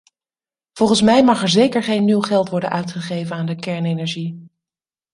Volgens mij mag er zeker geen nieuw geld worden uitgegeven aan de kernenergie.